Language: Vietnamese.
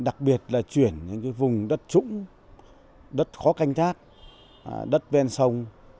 đặc biệt là chuyển những cái vùng đất trũng đất khó canh thác đất bên sông